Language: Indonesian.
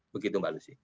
begitu mbak lucy